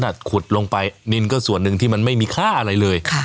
ถ้าขุดลงไปนินก็ส่วนหนึ่งที่มันไม่มีค่าอะไรเลย